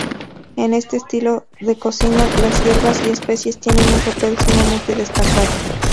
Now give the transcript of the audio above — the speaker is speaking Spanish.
En este estilo de cocina, las hierbas y especies tienen un papel sumamente destacado.